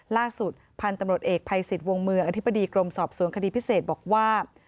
ล่าสุดพันธุ์ตำรวจเอกภัยสิทธิ์วงเมืองอธิบดีกรมสอบสวนคดีพิเศษบอกว่า